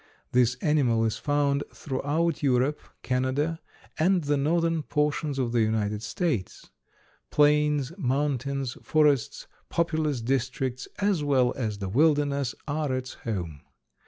This animal is found throughout Europe, Canada, and the northern portions of the United States. Plains, mountains, forests, populous districts, as well as the wilderness, are its home.